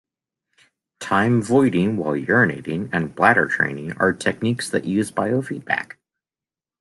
Time voiding while urinating and bladder training are techniques that use biofeedback.